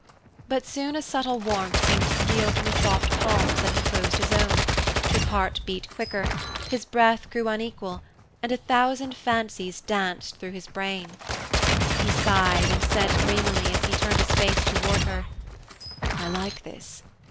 But soon a subtle warmth seemed to steal from the soft palms that enclosed his own, his heart beat quicker, his breath grew unequal, and a thousand fancies danced through his brain. He sighed, and said dreamily, as he turned his face toward her, "I like this."